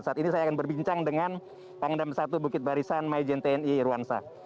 saat ini saya akan berbincang dengan pangdam satu bukit barisan maijen tni irwansa